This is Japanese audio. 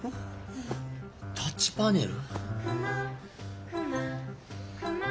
タッチパネル？